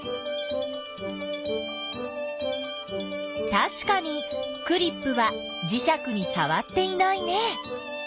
たしかにクリップはじしゃくにさわっていないね。